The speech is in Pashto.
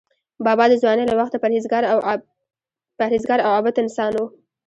بابا د ځوانۍ له وخته پرهیزګار او عابد انسان و.